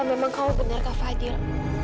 kalau memang kau benar kak fadil